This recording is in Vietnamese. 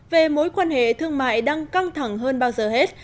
về mối quan hệ thương mại đang căng thẳng hơn bao giờ hết